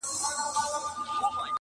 څه غزل څه قصیده وای.!